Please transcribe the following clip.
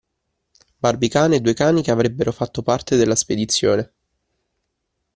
Barbicane e due cani che avrebbero fatto parte della spedizione.